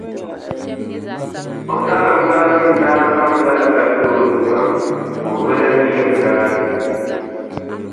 O karimbanima daa baŋ lala ka tiri o tuma ka o bi lahi yiri daa ni.